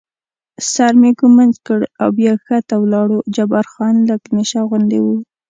سر مې ږمنځ کړ او بیا کښته ولاړو، جبار خان لږ نشه غوندې و.